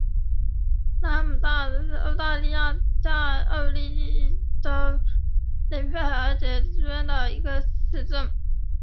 拉姆绍是奥地利下奥地利州利林费尔德县的一个市镇。